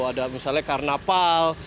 ada misalnya karnaval